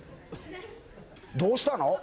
どうしたの？